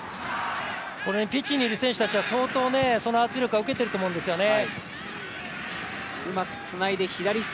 ピッチにいる選手は相当、その圧力は受けていると思うんですよね。